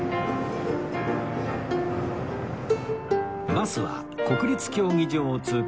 バスは国立競技場を通過